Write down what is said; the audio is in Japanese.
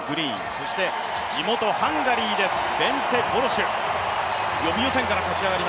そして地元ハンガリーです、ベンツェ・ボロシュです。